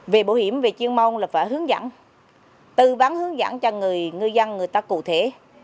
về bảo hiểm về chuyên môn là phải hướng dẫn tư vấn hướng dẫn cho ngư dân người ta cụ thể